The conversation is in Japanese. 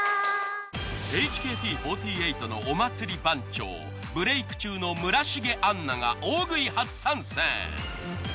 ＨＫＴ４８のお祭り番長ブレイク中の村重杏奈が大食い初参戦。